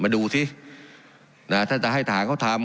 มาดูสิท้ายจะให้ข้าเขาทำ